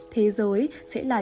thế giới sẽ là chỗ